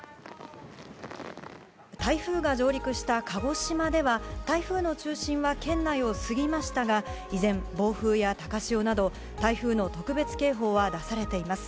台風が上陸した鹿児島では、台風の中心は県内を過ぎましたが、依然、暴風や高潮など、台風の特別警報は出されています。